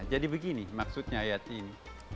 jadi begini maksudnya ayat ini